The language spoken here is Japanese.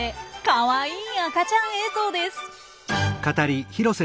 かわいい赤ちゃん映像です。